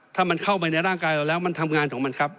ถ้ามันเข้าไปในร่างกายเราแล้วมันทำงานของมันครับ